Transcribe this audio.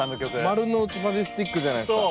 「丸の内サディスティック」じゃないですか。